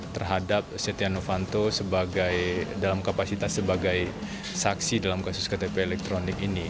terhadap setia novanto dalam kapasitas sebagai saksi dalam kasus ktp elektronik ini